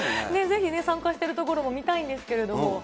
ぜひ参加しているところも見たいんですけれども。